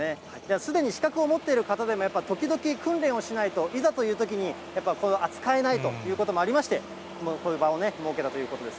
すでに資格を持っている方でも、時々訓練をしないと、いざというときにやっぱ、扱えないということもありまして、こういう場をね、設けたということです。